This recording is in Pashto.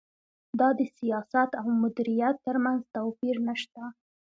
دا د سیاست او مدیریت ترمنځ توپیر نشته.